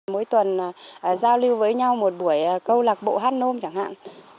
mỗi tuần giao lưu với nhau một buổi câu lạc bộ hát nôm chẳng hạn